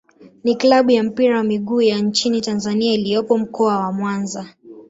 ni klabu ya mpira wa miguu ya nchini Tanzania iliyopo Mkoa wa Mwanza.